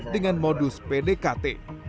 dengan modus pdkt